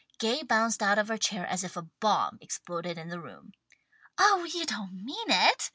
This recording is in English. Gay bounced out of her chair as if a bomb exploded in the room. "Oh you don't mean it!"